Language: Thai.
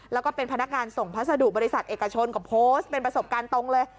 แล้วก็เป็นพนักงานส่งพัสดุบริษัทเอกชนก็โพสต์เป็นประสบการณ์ตรงเลย